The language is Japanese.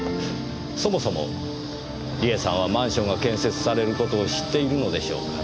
そもそも梨絵さんはマンションが建設されることを知っているのでしょうかねぇ。